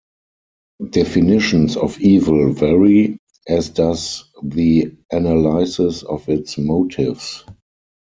Definitions of evil vary, as does the analysis of its motives.